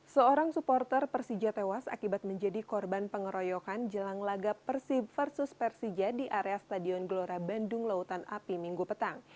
seorang supporter persija tewas akibat menjadi korban pengeroyokan jelang laga persib versus persija di area stadion gelora bandung lautan api minggu petang